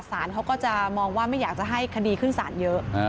สารเขาก็จะมองว่าไม่อยากจะให้คดีขึ้นศาลเยอะ